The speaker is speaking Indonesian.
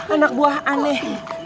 anak buah aneh